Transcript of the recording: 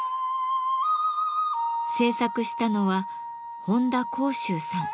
制作したのは本多孝舟さん。